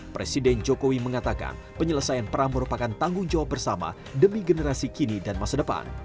presiden jokowi mengatakan penyelesaian perang merupakan tanggung jawab bersama demi generasi kini dan masa depan